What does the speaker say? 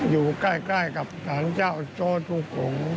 อยู่ใกล้กับฐานเจ้าโจทธุงขง